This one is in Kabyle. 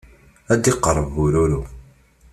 ad d-iqerreb bururu.